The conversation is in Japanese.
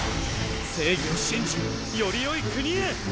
正義を信じより良い国へ！